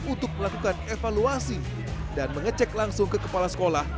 untuk melakukan evaluasi dan mengecek langsung ke kepala sekolah